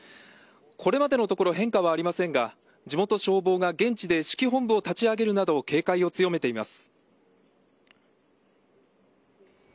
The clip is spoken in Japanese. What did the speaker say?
これまでのところ変化はありませんが地元消防が現地で指揮本部を立ち上げるなど警戒を強めています。